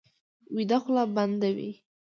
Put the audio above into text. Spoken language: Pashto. ویده خوله بنده وي